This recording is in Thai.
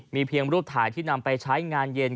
มีเพียงรูปถ่ายที่นำไปใช้งานเย็น